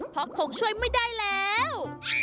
เพราะคงช่วยไม่ได้แล้ว